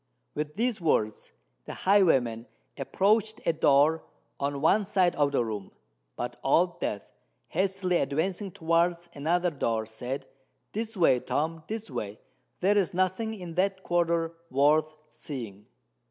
With these words the highwayman approached a door on one side of the room; but Old Death, hastily advancing towards another door, said, "This way, Tom—this way: there is nothing in that quarter—worth seeing."